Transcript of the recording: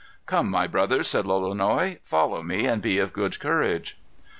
"Come, my brothers," said Lolonois, "follow me, and be of good courage."